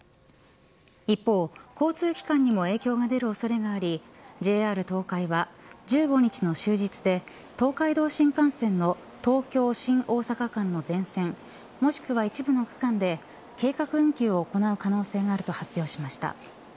一方、交通機関にも影響が出る恐れがありＪＲ東海は１５日の終日で東海道新幹線の東京、新大阪間の全線もしくは一部の区間で計画運休を行う可能性があると発表しました。